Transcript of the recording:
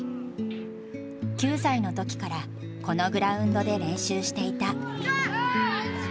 ９歳の時からこのグラウンドで練習していた。